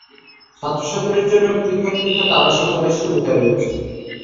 ছাত্রছাত্রীদের জন্য পৃথক পৃথক আবাসিক হলের সুবিধা রয়েছে।